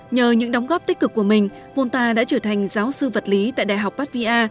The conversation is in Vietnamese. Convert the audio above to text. nhờ những đóng góp tích cực của mình volta đã trở thành giáo sư vật lý tại đại học bát vi a